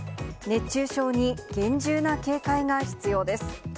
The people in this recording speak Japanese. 熱中症に厳重な警戒が必要です。